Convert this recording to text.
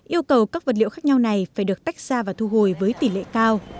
yêu cầu các vật liệu khác nhau này phải được tách ra và thu hồi với tỷ lệ cao